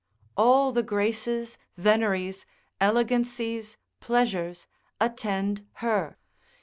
All the graces, veneries, elegancies, pleasures, attend her.